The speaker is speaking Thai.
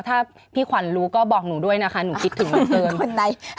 ถ้าพี่ขวัญรู้ก็บอกหนูด้วยนะคะหนูคิดถึงเหมือนเดิม